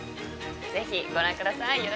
ぜひ、ご覧ください！